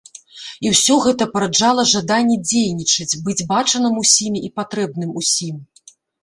І ўсё гэтае параджала жаданні дзейнічаць, быць бачаным усімі і патрэбным усім.